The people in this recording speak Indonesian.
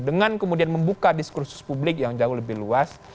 dengan kemudian membuka diskursus publik yang jauh lebih luas